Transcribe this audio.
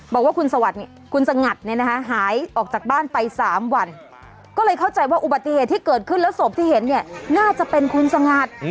บอกว่าคุณสงัดเนี่ยนะคะหายออกจากบ้านไป๓วันก็เลยเข้าใจว่าอุบัติเหตุที่เกิดขึ้นแล้วศพที่เห็นเนี่ยน่าจะเป็นคุณสงัด